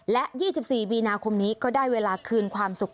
และ๒๔บนก็ได้เวลาคืนความสุข